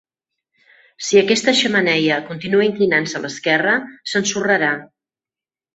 Si aquesta xemeneia continua inclinant-se a l'esquerra, s'ensorrarà.